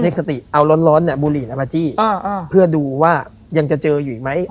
ในสติเอาร้อนร้อนเนี้ยบุหรี่แล้วมาจี้อ่าอ่าเพื่อดูว่ายังจะเจออยู่ไหม